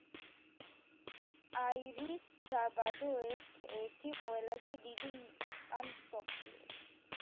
აირის საბადო ერთ-ერთი ყველაზე დიდია მსოფლიოში.